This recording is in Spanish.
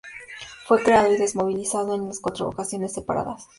Fue creado y desmovilizado en cuatro ocasiones separadas.